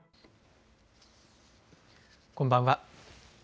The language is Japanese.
こんばんは。